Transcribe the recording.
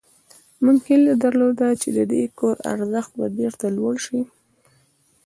موږ هیله درلوده چې د دې کور ارزښت به بیرته لوړ شي